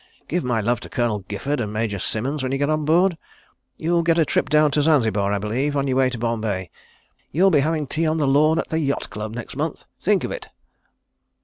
... Give my love to Colonel Giffard and Major Symons when you get on board. ... You'll get a trip down to Zanzibar, I believe, on your way to Bombay. ... You'll be having tea on the lawn at the Yacht Club next month—think of it!"